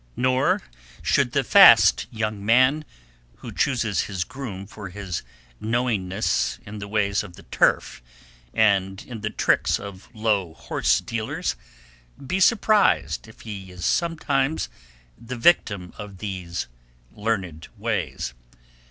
Nor should the fast young man, who chooses his groom for his knowingness in the ways of the turf and in the tricks of low horse dealers, be surprised if he is sometimes the victim of these learned ways.